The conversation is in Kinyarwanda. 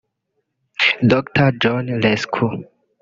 Dr John Lesku